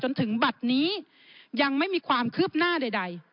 จนถึงบัตรนี้ยังไม่มีความคืบหน้าใด